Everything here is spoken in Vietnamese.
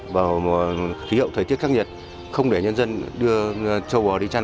vào khí hậu thời tiết khắc nghiệt không để nhân dân đưa châu bò đi chăn